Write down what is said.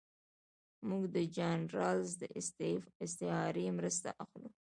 موږ د جان رالز د استعارې مرسته اخلو.